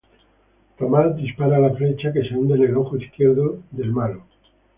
Thomas dispara la flecha que se hunde en el ojo izquierdo del villano.